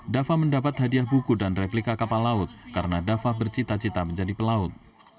dava mendapat hadiah buku dan replika kapal laut karena dafa bercita cita menjadi pelaut